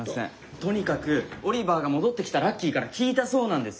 とにかくオリバーが戻ってきたラッキーから聞いたそうなんです。